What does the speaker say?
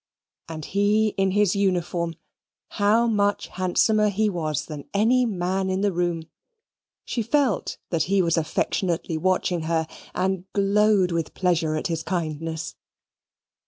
And he in his uniform how much handsomer he was than any man in the room! She felt that he was affectionately watching her, and glowed with pleasure at his kindness.